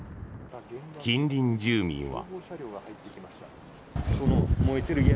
近隣住民は。